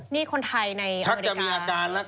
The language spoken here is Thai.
นี่คนไทยในอเมริกาชักจะมีอาการแล้ว